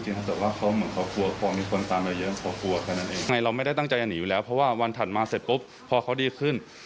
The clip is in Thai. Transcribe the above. สิ่งที่เราไม่ได้ตั้งใจจะหนีอยู่แล้วเพราะว่าวันถัดมาเสร็จปุ๊บพอเขาดีขึ้น